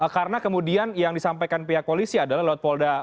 karena kemudian yang disampaikan pihak polisi adalah lewat polda